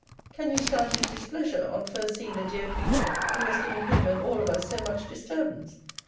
Can you stand his displeasure, on first seeing the dear creature who has given him and all of us so much disturbance?